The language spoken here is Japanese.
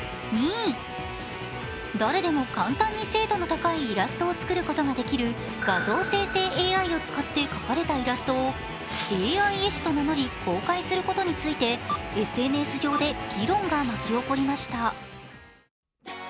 誰でも簡単に精度の高いイラストを作ることができる画像生成ＡＩを使って描かれたイラストをＡＩ絵師と名乗り公開することについてＳＮＳ上で議論が巻き起こりました。